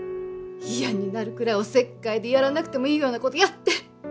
嫌になるくらいおせっかいでやらなくてもいいような事やって。